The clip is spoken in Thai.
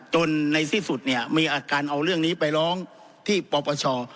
ในที่สุดเนี่ยมีอาการเอาเรื่องนี้ไปร้องที่ปปช